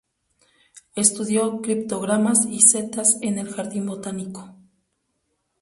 Estudió criptógamas y setas en el jardín botánico.